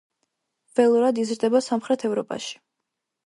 ველურად იზრდება სამხრეთ ევროპაში.